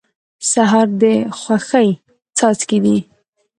سهار د خوښۍ څاڅکي دي.